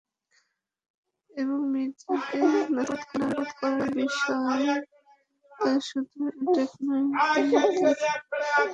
এবং মির্জাকে নাস্তানাবুদ করার বিষয়ে তাঁরা শুধু একাট্টাই না, রীতিমতো ওয়াদাবদ্ধও।